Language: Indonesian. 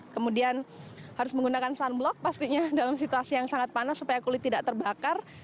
kemudian harus menggunakan sunblock pastinya dalam situasi yang sangat panas supaya kulit tidak terbakar